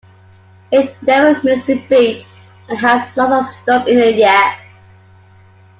It never missed a beat and has lots of stuff in it yet.